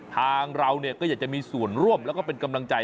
ทางเราก็อยากจะมีส่วนร่วมแล้วก็เป็นกำลังใจ